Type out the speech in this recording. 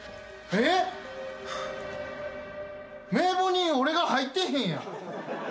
えっ⁉名簿に俺が入ってへんやん！